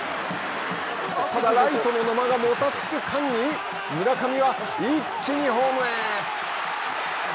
ただ、ライトの野間がもたつく間に、村上は一気にホームへ。